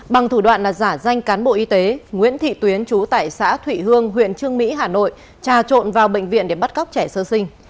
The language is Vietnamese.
bằng thủ đoạn là giả danh cán bộ y tế nguyễn thị tuyến chú tại xã thụy hương huyện trương mỹ hà nội trà trộn vào bệnh viện để bắt cóc trẻ sơ sinh